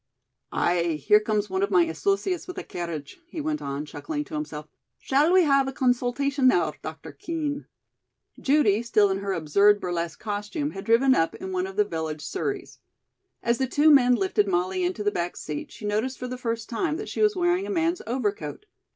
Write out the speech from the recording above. "Aye, here comes one of my associates with a carriage," he went on, chuckling to himself. "Shall we have a consultation now, Dr. Kean?" Judy, still in her absurd burlesque costume, had driven up in one of the village surreys. As the two men lifted Molly into the back seat, she noticed for the first time that she was wearing a man's overcoat.